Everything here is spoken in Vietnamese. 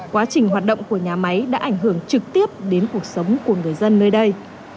quá trình hoạt động của nhà máy đã ảnh hưởng trực tiếp đến cuộc sống của người dân nơi đây